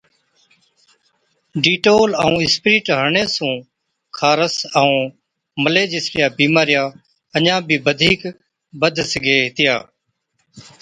ڊيٽول ائُون اِسپرِيٽ هڻڻي سُون خارس ائُون ملي جِسڙِيا بِيمارِيا اڃا بِي بڌِيڪ بِڌ سِگھي هِتِيا۔